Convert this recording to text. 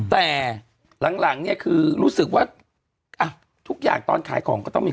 แต่หลังหลังเนี่ยคือรู้สึกว่าอ่ะทุกอย่างตอนขายของก็ต้องมี